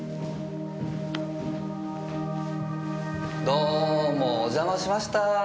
どーもお邪魔しました！